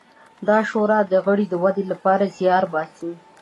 دا شورا د غړو د ودې لپاره زیار باسي.